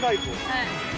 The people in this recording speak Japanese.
はい。